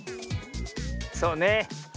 そうね。